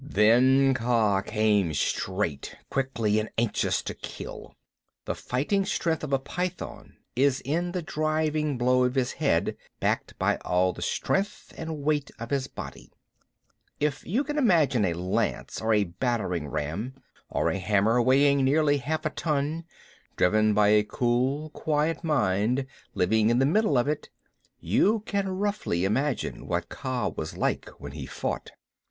Then Kaa came straight, quickly, and anxious to kill. The fighting strength of a python is in the driving blow of his head backed by all the strength and weight of his body. If you can imagine a lance, or a battering ram, or a hammer weighing nearly half a ton driven by a cool, quiet mind living in the handle of it, you can roughly imagine what Kaa was like when he fought.